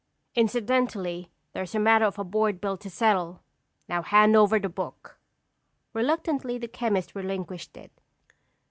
Incidentally, there's a matter of a board bill to settle. Now hand over the book!" Reluctantly, the chemist relinquished it.